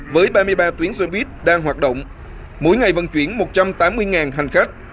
với ba mươi ba tuyến xe buýt đang hoạt động mỗi ngày vận chuyển một trăm tám mươi hành khách